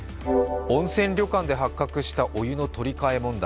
温泉旅館で発覚したお湯の取り替え問題。